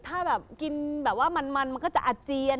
ถ้าแบบกินแบบว่ามันมันก็จะอาเจียน